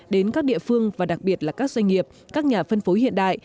đến các địa phương và đặc biệt là các doanh nghiệp các nhà phân phối hiện đại